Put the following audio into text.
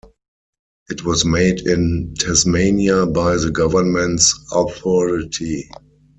It was made in Tasmania by the government's authority.